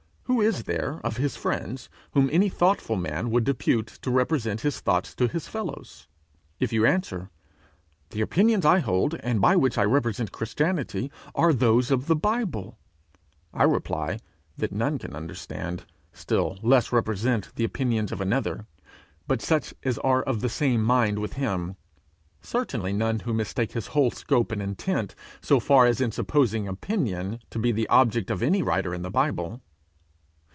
Who is there of his friends whom any thoughtful man would depute to represent his thoughts to his fellows? If you answer, 'The opinions I hold and by which I represent Christianity, are those of the Bible,' I reply, that none can understand, still less represent, the opinions of another, but such as are of the same mind with him certainly none who mistake his whole scope and intent so far as in supposing opinion to be the object of any writer in the Bible.